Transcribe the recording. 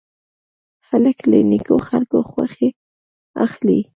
هلک له نیکو خلکو خوښي اخلي.